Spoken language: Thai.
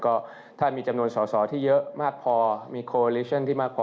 ก็ถ้ามีจำนวนสอสอที่เยอะมากพอมีโคลิชั่นที่มากพอ